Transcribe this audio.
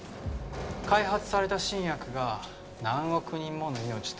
「開発された新薬が何億人もの命と」